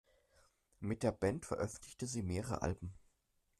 Mit der Band veröffentlichte sie mehrere Alben.